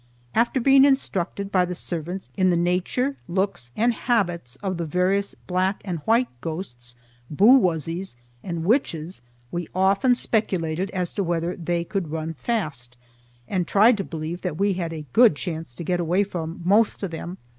After being instructed by the servants in the nature, looks, and habits of the various black and white ghosts, boowuzzies, and witches we often speculated as to whether they could run fast, and tried to believe that we had a good chance to get away from most of them.